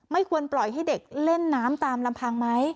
ควรปล่อยให้เด็กเล่นน้ำตามลำพังไหม